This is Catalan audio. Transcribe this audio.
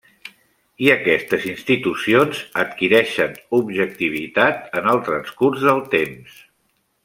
I aquestes institucions adquireixen objectivitat en el transcurs del temps.